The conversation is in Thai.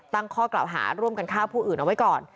ตั้งข้อกล่าวหาร่วมกันฆ่าผู้อื่นเอาไว้ก่อน